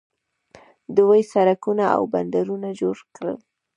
دوی سړکونه او بندرونه جوړ کړل.